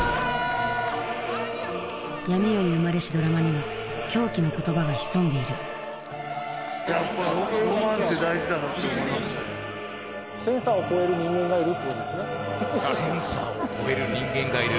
闇夜に生まれしドラマには狂気の言葉が潜んでいる「センサーを超える人間がいる」。